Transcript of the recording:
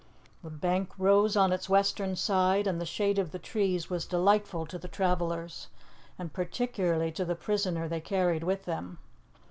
The bank rose on its western side, and the shade of the trees was delightful to the travellers, and particularly to the prisoner they carried with them.